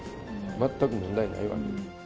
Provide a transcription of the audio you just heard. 全く問題ないわけ。